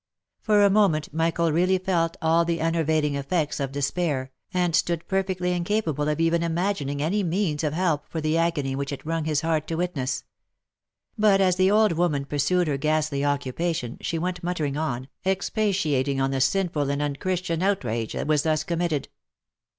For a moment Michael really felt all the enervating effects of de spair, and stood perfectly incapable of even imagining any means of help for the agony which it wrung his heart to witness. But, as the old woman pursued her ghastly occupation, she went muttering on, expatiating on the sinful and unchristian outrage that was thus com mitted.